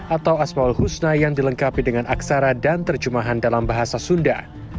atau asma'ul husna yang dilengkapi dengan aksara dan tercumahan dalam bahasa sunda